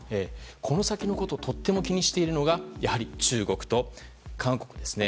この先のことをとても気にしているのが中国と韓国です。